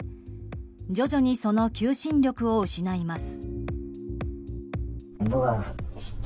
徐々にその求心力を失います。